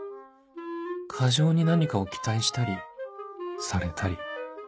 過剰に何かを期待したりされたり